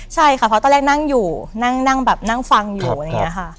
แล้วเราก็ได้นั่งอยู่นั่งนั่งแบบนั่งฟังอยู่อย่างนี้ค่ะ